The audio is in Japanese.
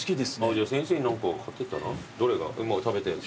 じゃあ先生に何か買ってったら？どれが食べたやつ。